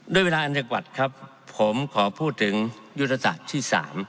ด้วยเวลาอันจังหวัดครับผมขอพูดถึงยุทธศาสตร์ที่๓